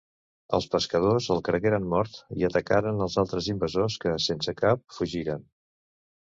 Els pescadors el cregueren mort i atacaren els altres invasors que, sense cap, fugiren.